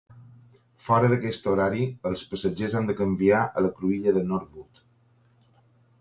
Fora d'aquest horari els passatgers han de canviar a la cruïlla de Norwood.